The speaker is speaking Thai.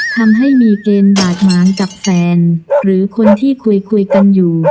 ทำให้มีเกณฑ์บาดหมางกับแฟนหรือคนที่คุยคุยกันอยู่